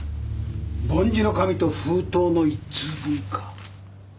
梵字の紙と封筒の１通分か。